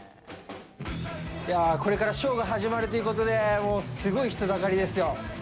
これからショーが始まるということで、もうすごい人だかりですよ！